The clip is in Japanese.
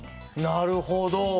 なるほど。